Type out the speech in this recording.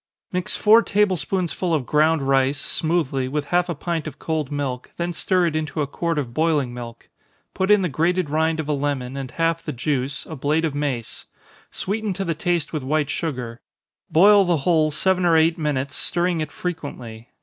_ Mix four table spoonsful of ground rice, smoothly, with half a pint of cold milk, then stir it into a quart of boiling milk. Put in the grated rind of a lemon, and half the juice, a blade of mace sweeten to the taste with white sugar. Boil the whole seven or eight minutes, stirring it frequently.